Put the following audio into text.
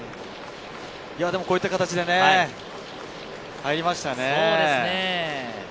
こういった形で入りましたね。